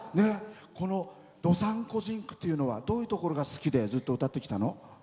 この「どさんこ甚句」というのはどういうところが好きでずっと歌ってきたの？